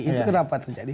itu kenapa terjadi